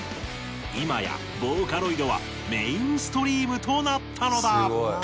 今やボーカロイドはメインストリームとなったのだ。